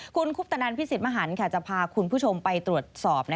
คุณคุปตนันพิสิทธิมหันฯจะพาคุณผู้ชมไปตรวจสอบ